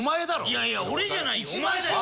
いやいや俺じゃないよ。